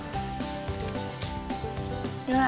うわ！